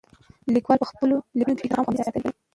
لیکوال په خپلو لیکنو کې دا مقام خوندي ساتلی.